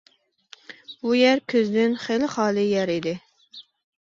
بۇ يەر كۆزدىن خېلى خالى يەر ئىدى.